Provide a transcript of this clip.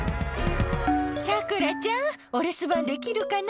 さくらちゃんお留守番できるかな？